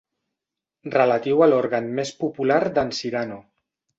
Relatiu a l'òrgan més popular d'en Cyrano.